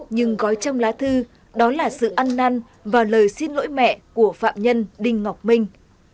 nhưng gói trong lá thư đó là sự ăn năn và lời xin lỗi mẹ của phạm nhân đinh ngọc minh